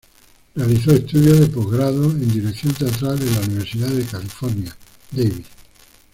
Realizó estudios de postgrado en dirección teatral en la Universidad de California, Davis.